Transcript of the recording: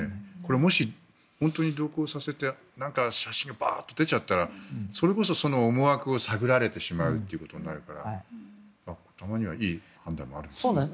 もし、本当に同行させて写真がバーッと出ちゃったらそれこそその思惑を探られてしまうということになるからたまにはいい判断もあるんですね。